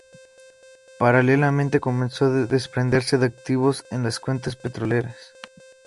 Paralelamente comenzó a desprenderse de activos en las cuencas petroleras.